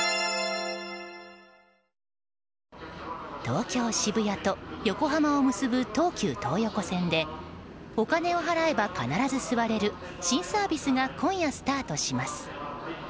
東京・渋谷と横浜を結ぶ東急東横線でお金を払えば必ず座れる新サービスが今夜スタートします。